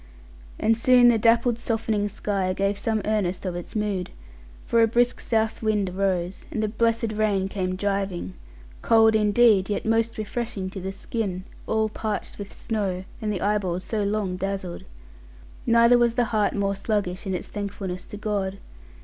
And soon the dappled softening sky gave some earnest of its mood; for a brisk south wind arose, and the blessed rain came driving, cold indeed, yet most refreshing to the skin, all parched with snow, and the eyeballs so long dazzled. Neither was the heart more sluggish in its thankfulness to God.